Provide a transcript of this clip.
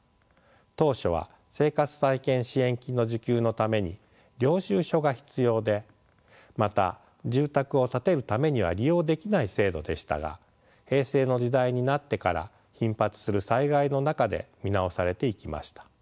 当初は生活再建支援金の受給のために領収書が必要でまた住宅を建てるためには利用できない制度でしたが平成の時代になってから頻発する災害の中で見直されていきました。